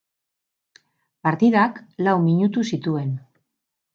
Partidak lau minutu zituen.